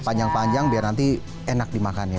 panjang panjang biar nanti enak dimakannya